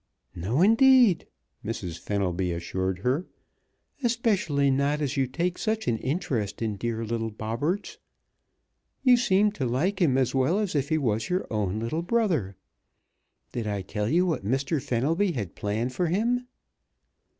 "No, indeed," Mrs. Fenelby assured her. "Especially not as you take such an interest in dear little Bobberts. You seem to like him as well as if he was your own little brother. Did I tell you what Mr. Fenelby had planned for him?"